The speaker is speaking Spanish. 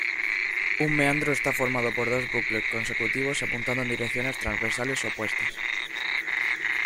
Un meandro está formado por dos bucles consecutivos apuntando en direcciones transversales opuestas.